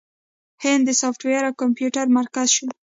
هند د سافټویر او کمپیوټر مرکز شو.